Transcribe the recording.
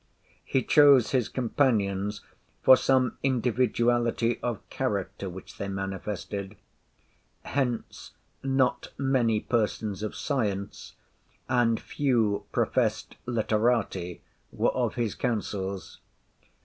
He chose his companions for some individuality of character which they manifested.—Hence, not many persons of science, and few professed literati, were of his councils.